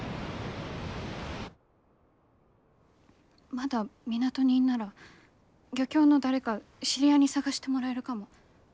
まだ港にいんなら漁協の誰か知り合いに捜してもらえるかも。